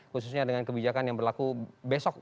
khususnya dengan kebijakan yang berlaku besok